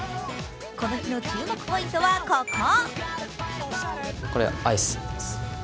この日の注目ポイントはここ。